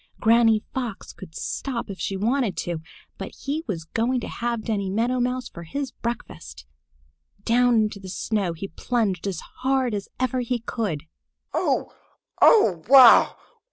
Granny Fox could stop if she wanted to, but he was going to have Danny Meadow Mouse for his breakfast! Down into the snow he plunged as hard as ever he could. "Oh! Oh! Wow!